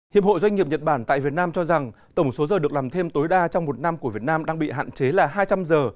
hiệp hội doanh nghiệp nhật bản tại việt nam cho rằng tổng số giờ được làm thêm tối đa trong một năm của việt nam đang bị hạn chế là hai trăm linh giờ